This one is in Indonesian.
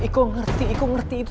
aku ngerti aku ngerti itu